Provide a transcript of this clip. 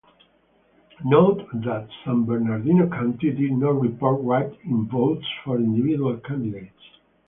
Note that San Bernardino County did not report write-in votes for individual candidates.